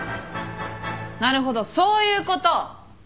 なるほどそういうこと。